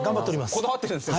こだわってるんですね。